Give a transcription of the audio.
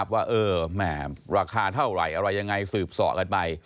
ว่าราคาเท่าไหร่อะไรยังไงสืบสอกันไป